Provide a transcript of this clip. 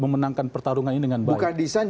memenangkan pertarungan ini dengan baik